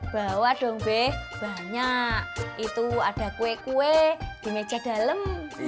bawa dong be banyak itu ada kue kue di meja dalam